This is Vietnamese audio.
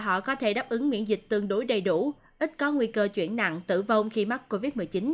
họ có thể đáp ứng miễn dịch tương đối đầy đủ ít có nguy cơ chuyển nặng tử vong khi mắc covid một mươi chín